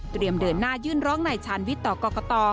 เดินหน้ายื่นร้องนายชาญวิทย์ต่อกรกต